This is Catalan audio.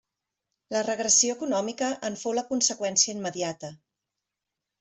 La regressió econòmica en fou la conseqüència immediata.